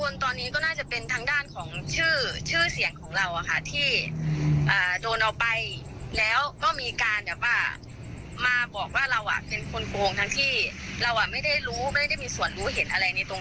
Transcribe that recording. แล้วจะไม่ยึดถึงว่าเราต้องมีส่วนรู้เห็นแน่นอน